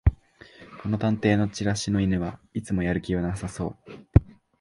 この探偵のチラシの犬はいつもやる気なさそう